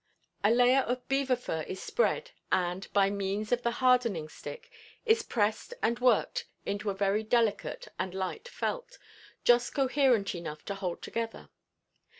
A layer of beaver fur is spread, and, by means of the "hardening stick," is pressed and worked into a very delicate and light felt, just coherent enough to hold together.